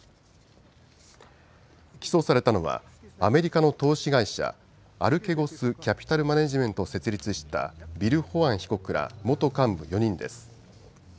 起訴されたのはアメリカの投資会社、アルケゴス・キャピタル・マネジメントを設立したビル・ホワン被告ら元幹部４人です。